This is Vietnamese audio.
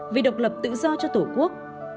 vì độc lập tự do cho tổ quốc